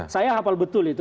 saya hafal betul itu